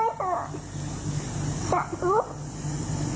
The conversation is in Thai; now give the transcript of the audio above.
ด้วยส่วนสาธุ